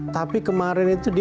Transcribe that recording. tapi kemarin itu di